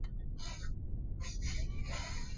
热维斯的事业从音乐界开始。